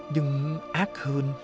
nhưng ác hơn